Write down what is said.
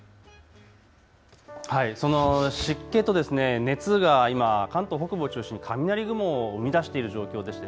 その湿気と熱が今、関東北部を中心に雷雲を生み出している状況です。